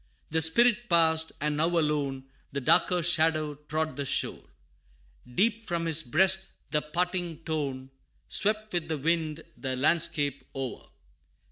The Spirit passed, and now alone, The darker Shadow trod the shore Deep from his breast the parting tone Swept with the wind, the landscape o'er.